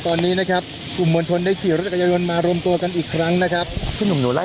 ทางกลุ่มมวลชนทะลุฟ้าทางกลุ่มมวลชนทะลุฟ้า